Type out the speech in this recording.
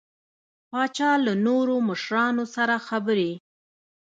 پاچا له نورو مشرانو سره خبرې